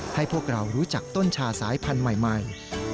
ให้พวกเรารู้จักต้นชาสายพันธุ์ใหม่